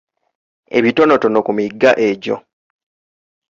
Ebitonotono ku migga egyo.